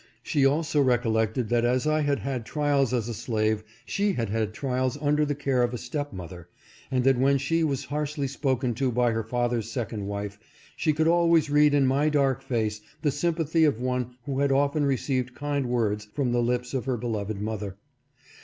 She also recollected that as I had had trials as a slave she had had her trials under the care of a stepmother, and that when she was harshly spoken to by her father's second wife she could always read in my dark face the sympathy of one who had often received kind words from the lips of her beloved mother.